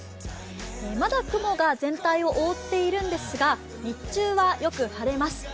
まだ雲が全体を覆っているんですが日中はよく晴れます。